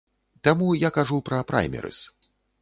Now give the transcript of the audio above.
Таму я кажу пра праймерыз.